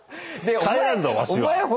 帰らんぞわしは。